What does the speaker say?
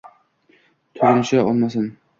Turgunicha o’lmasin».